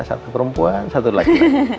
satu perempuan satu laki laki